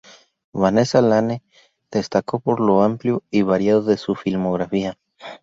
Vanessa Lane destacó por lo amplió y variado de su filmografía.